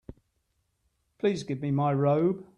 Please give me my robe.